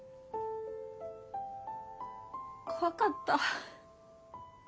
怖かった。